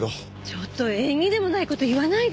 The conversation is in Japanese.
ちょっと縁起でもない事言わないでよ。